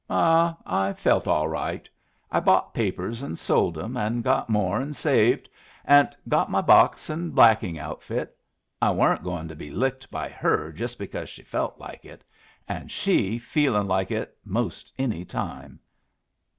"Ah, I felt all right! I bought papers an' sold 'em, an' got more an' saved, ant got my box an' blacking outfit. I weren't going to be licked by her just because she felt like it, an' she feeling like it most any time.